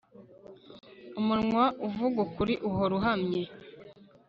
umunwa uvuga ukuri uhora uhamye